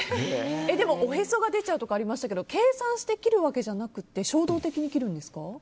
でも、おへそが出ちゃうとかありましたけど計算して切るわけじゃなくて衝動的に切るんですか？